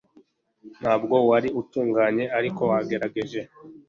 ntabwo wari utunganye, ariko wagerageje